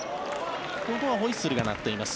ここはホイッスルが鳴っています。